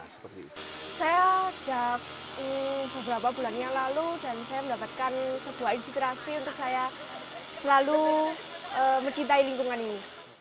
saya sejak beberapa bulan yang lalu dan saya mendapatkan sebuah inspirasi untuk saya selalu mencintai lingkungan ini